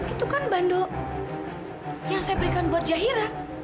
itu kan bando yang saya berikan buat jahira